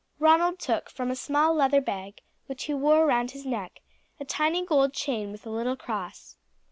Ronald took from a small leather bag, which he wore round his neck, a tiny gold chain with a little cross.